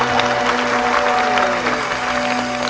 โปรดติดตามตอนต่อไป